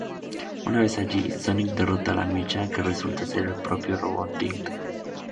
Una vez allí, Sonic derrota al mecha, que resulta ser el propio Robotnik.